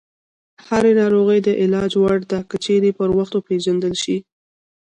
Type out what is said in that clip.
هره ناروغي د علاج وړ ده، که چیرې پر وخت وپېژندل شي.